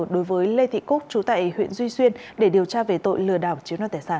đối với lê thị cúc chú tại huyện duy xuyên để điều tra về tội lừa đảo chiếm đoạt tài sản